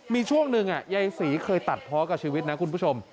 มีช่วงหนึ่งยายศรีเคยตัดเพาะกับชีวิตนะคุณผู้ชม